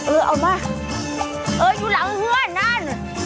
เออเอามาเอออยู่หลังเพื่อนนั่น